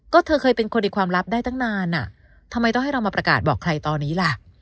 ก็เธอเคยเป็นคนในความลับได้ตั้งนานอ่ะทำไมต้องให้เรามาประกาศบอกใครตอนนี้ล่ะ